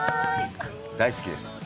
大好きです。